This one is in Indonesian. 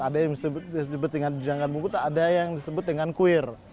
ada yang disebut dengan janggal buku ada yang disebut dengan kuir